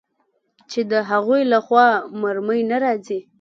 چې د هغوى له خوا مرمۍ نه راځي.